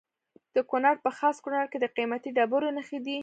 د کونړ په خاص کونړ کې د قیمتي ډبرو نښې دي.